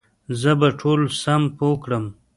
زه به ټول سم پوه کړم